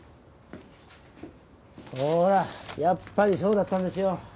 ほらやっぱりそうだったんですよ。